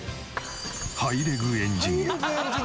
ハイレグエンジニア？